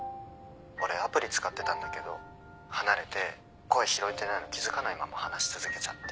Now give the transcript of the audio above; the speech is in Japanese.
俺アプリ使ってたんだけど離れて声拾えてないの気付かないまま話し続けちゃって。